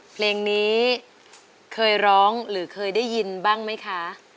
เพลงนี้เคยร้องหรือเคยได้ยินบ้างไหมคะ